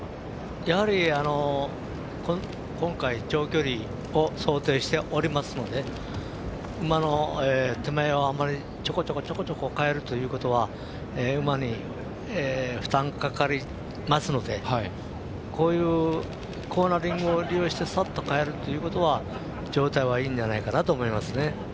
やはり、今回長距離を想定しておりますので馬の手前をあまり、ちょこちょこかえるというのは馬に負担がかかりますのでこういうコーナリングを利用してさっと、かえるということは状態はいいんじゃないかと思いますね。